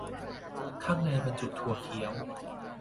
ข้างในบรรจุถั่วเขียว